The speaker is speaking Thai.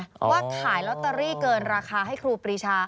ว่าขายลอตเตอรี่เกินราคาให้ครูปรีชา